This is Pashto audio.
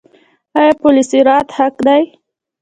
آیا پل صراط حق دی؟